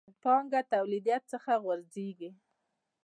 پانګه توليديت څخه غورځېږي.